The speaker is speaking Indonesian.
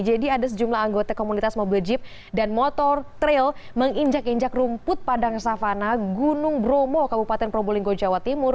jadi ada sejumlah anggota komunitas mobil jeep dan motor trail menginjak injak rumput padang savana gunung bromo kabupaten prombolinggo jawa timur